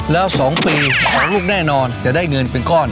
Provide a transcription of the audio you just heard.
แล้ว๒ปีของลูกแน่นอนจะได้เงินเป็นก้อน